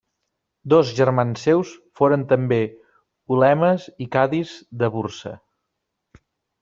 Dos germans seus foren també ulemes i cadis de Bursa.